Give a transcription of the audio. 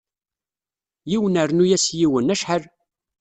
Yiwen rnu-as yiwen, acḥal?